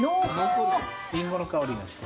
リンゴの香りがして。